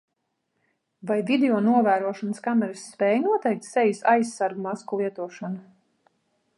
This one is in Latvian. Vai videonovērošanas kameras spēj noteikt sejas aizsargmasku lietošanu?